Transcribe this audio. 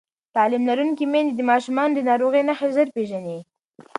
تعلیم لرونکې میندې د ماشومانو د ناروغۍ نښې ژر پېژني